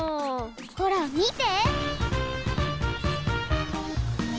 ほらみて！